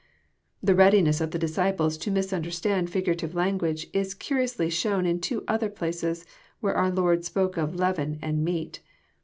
The readiness of the disciples to misunderstand figurative language is curiously shown in two other places, where our Lord spoke of *' leaven " and " meat.